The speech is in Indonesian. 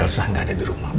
elsa gak ada di rumah pak